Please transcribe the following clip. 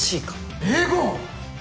英語！